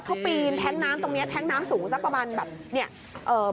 เขาปีนแท้งน้ำตรงนี้แท้งน้ำสูงสักประมาณแบบ